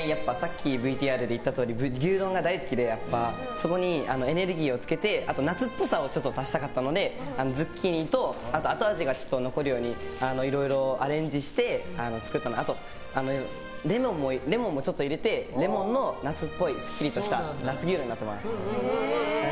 ＶＴＲで言ったとおり牛丼が大好きでそこにエネルギーをつけてあと夏っぽさを出したかったのでズッキーニと後味が残るようにいろいろアレンジして作ったのとレモンもちょっと入れてレモンのすっきりとした夏イメージとなっています。